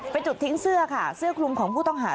เป็นจุดทิ้งเสื้อค่ะเสื้อคลุมของผู้ต้องหา